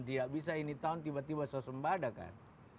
dia bisa ini tahun tiba tiba suasembada kan